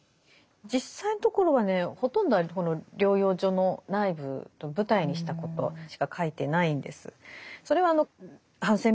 実際のところはねほとんどはこの療養所の内部を舞台にしたことしか書いてないんです。